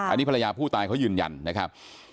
อันนี้ภรรยาผู้ตายเขายืนยันนะครับ